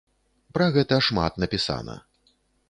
Пра гэта шмат напісана.